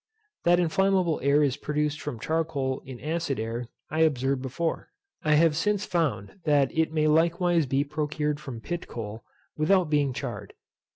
That inflammable air is produced from charcoal in acid air I observed before. I have since found that it may likewise be procured from pit coal, without being charred.